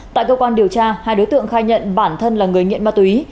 tại cơ quan điều tra hai đối tượng khai nhận bản thân là người nghiện ma túy